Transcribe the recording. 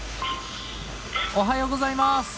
おはようございます。